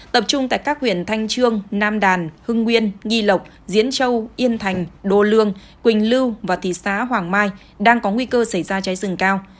tập trung tại các huyện thanh trương nam đàn hưng nguyên nghi lộc diễn châu yên thành đô lương quỳnh lưu và thị xã hoàng mai đang có nguy cơ xảy ra cháy rừng cao